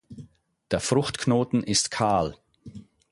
Der Fruchtknoten ist kahl.